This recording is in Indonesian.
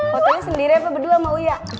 foto nya sendiri apa berdua mau ya